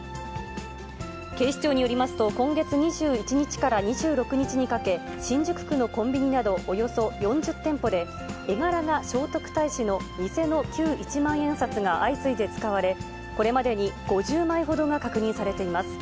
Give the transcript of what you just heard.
警視庁によりますと、今月２１日から２６日にかけ、新宿区のコンビニなど、およそ４０店舗で、絵柄が聖徳太子の偽の旧一万円札が相次いで使われ、これまでに５０枚ほどが確認されています。